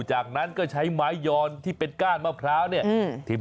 จากนั้นก็ใช้ไม้ยอนที่เป็นก้านมะพร้าวเนี่ย